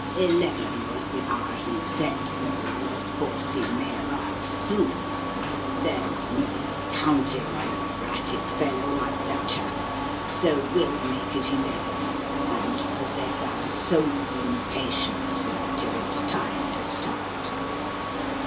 Eleven was the hour he set, though, of course, he may arrive sooner; there's no counting on an erratic fellow like that chap. So we'll make it eleven, and possess our souls in patience until it's time to start."